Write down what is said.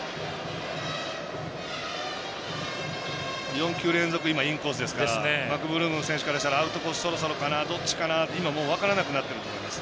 ４球連続、インコースですからマクブルーム選手からするとアウトコース、そろそろかなどっちかなって今、分からなくなってると思います。